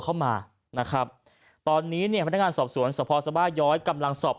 เข้ามานะครับตอนนี้เนี่ยพนักงานสอบสวนสภสบาย้อยกำลังสอบ